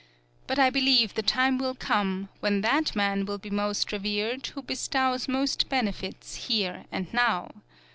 But I believe the time will come when that man will be most revered who bestows most benefits here and now.